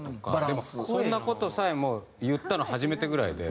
でもそんな事さえも言ったの初めてぐらいで。